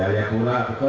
jaya kura betul